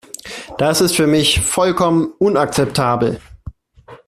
Das ist für mich vollkommen unakzeptabel.